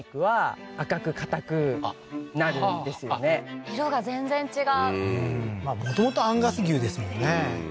あと色が全然違ううんまあもともとアンガス牛ですもんね